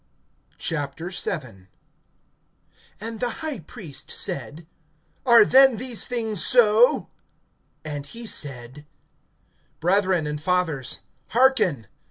VII. AND the high priest said: Are then these things so? (2)And he said: Brethren, and fathers, hearken.